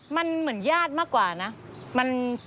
มันเหมือนญาติมากกว่านะ